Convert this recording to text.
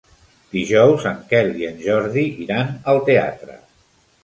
Dijous en Quel i en Jordi iran al teatre.